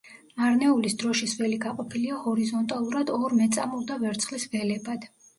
მარნეულის დროშის ველი გაყოფილია ჰორიზონტალურად ორ მეწამულ და ვერცხლის ველებად.